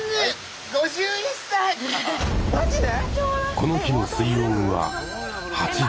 この日の水温は８℃。